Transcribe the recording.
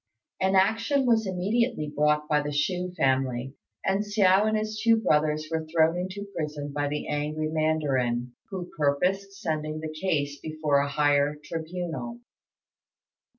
An action was immediately brought by the Chou family, and Hsiao and his two brothers were thrown into prison by the angry mandarin, who purposed sending the case before a higher tribunal.